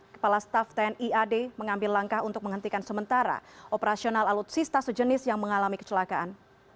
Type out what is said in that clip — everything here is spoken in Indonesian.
kepala staff tni ad mengambil langkah untuk menghentikan sementara operasional alutsista sejenis yang mengalami kecelakaan